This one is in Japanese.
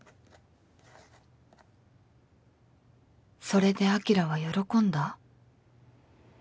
「それで晶は喜んだ？」